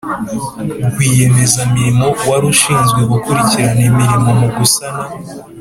Rwiyemezamirimo wari ushinzwe gukurikirana imirimo mu gusana